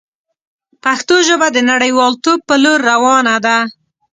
پښتو ژبه د نړیوالتوب په لور روانه ده.